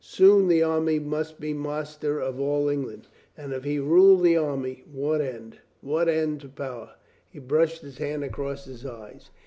Soon the army must be master of all England, and if he ruled the army — what end, what end to power? He brushed his hand across his eyes.